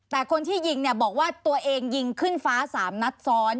แต่คนที่ยิงเนี่ยบอกว่าตัวเองยิงขึ้นฟ้า๓นัดซ้อน